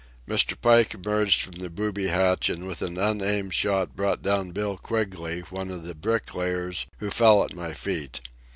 Mr. Pike emerged from the booby hatch and with an unaimed shot brought down Bill Quigley, one of the "bricklayers," who fell at my feet.